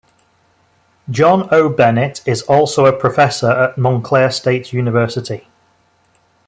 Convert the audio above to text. John O. Bennett is also a professor at Montclair State University.